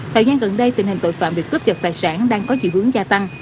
thời gian gần đây tình hình tội phạm việc cướp giật tài sản đang có dịu hướng gia tăng